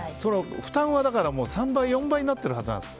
負担は３倍４倍になってるはずなんです。